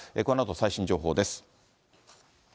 このあと最新情報です。